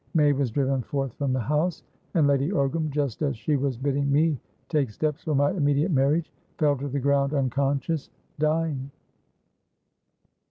May was driven forth from the house, and Lady Ogram, just as she was bidding me take steps for my immediate marriage, fell to the ground unconsciousdying."